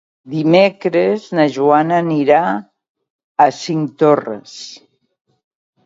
Dimecres na Joana anirà a Cinctorres.